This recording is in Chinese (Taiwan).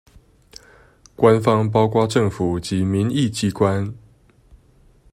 官方包括政府及民意機關